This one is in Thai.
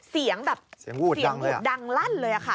เสียงแบบเสียงบุบดังลั่นเลยค่ะ